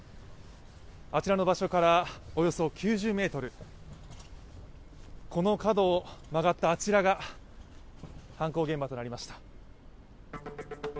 あちらの場所からおよそ９０ｍ、この角を曲がったあちらが犯行現場となりました。